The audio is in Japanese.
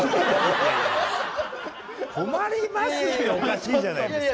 困りますっておかしいじゃないですか。